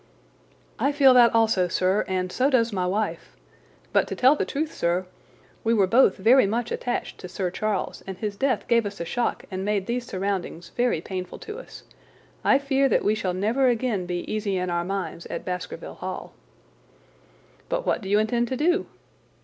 "I feel that also, sir, and so does my wife. But to tell the truth, sir, we were both very much attached to Sir Charles, and his death gave us a shock and made these surroundings very painful to us. I fear that we shall never again be easy in our minds at Baskerville Hall." "But what do you intend to do?"